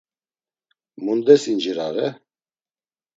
Mundes incirare?